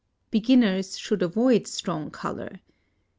] _Beginners should avoid Strong Color.